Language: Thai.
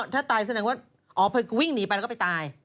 ถ้าตายแสดงว่าอ๋อวิ่งหนีไปแล้วก็ไปตาย